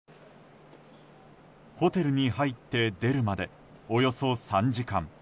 ホテルに入って出るまでおよそ３時間。